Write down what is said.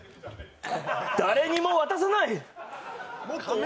誰にも渡さない！